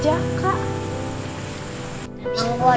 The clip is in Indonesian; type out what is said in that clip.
biaya buat selly aja belum tentu ada